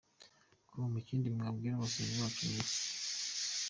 com : ikindi mwabwira abasomyi bacu ni iki ?.